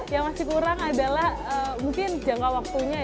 yang masih kurang adalah mungkin jangka waktunya ya